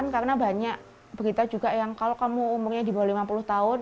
karena banyak berita juga yang kalau kamu umurnya di bawah lima puluh tahun